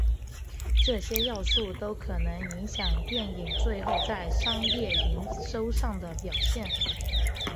这些要素都可能影响电影最后在商业营收上的表现。